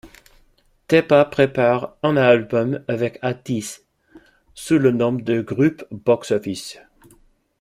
Tepa prépare un album avec Atis, sous le nom de groupe Box Office.